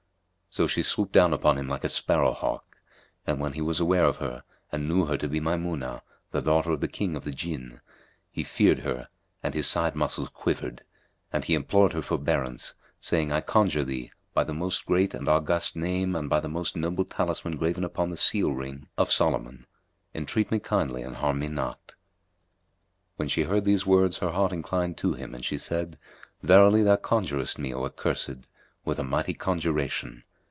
So she swooped down on him like a sparrow hawk and, when he was aware of her and knew her to be Maymunah, the daughter of the King of the Jinn, he feared her and his side muscles quivered; and he implored her forbearance, saying, I conjure thee by the Most Great and August Name and by the most noble talisman graven upon the seal ring of Solomon, entreat me kindly and harm me not!" When she heard these words her heart inclined to him and she said, "Verily, thou conjurest me, O accursed, with a mighty conjuration.